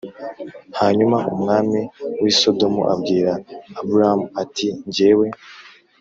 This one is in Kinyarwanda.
Hanyuma umwami w i Sodomu abwira Aburamu ati njyewe